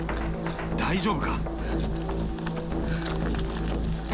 大丈夫か？